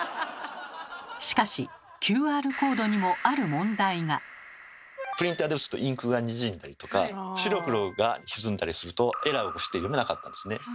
しかしＱＲコードにもプリンターで打つとインクがにじんだりとか白黒が歪んだりするとエラーを起こして読めなかったんですね。